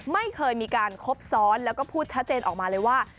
ไม่เคยมีการคบซ้อนแล้วก็พูดชัดเจนออกมาเลยว่า